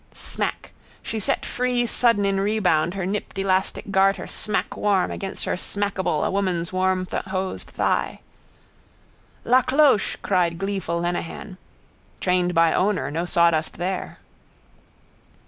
_ Smack. She set free sudden in rebound her nipped elastic garter smackwarm against her smackable a woman's warmhosed thigh. —La cloche! cried gleeful Lenehan. Trained by owner. No sawdust there.